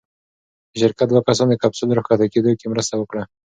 د شرکت دوه کسان د کپسول راښکته کېدو کې مرسته وکړه.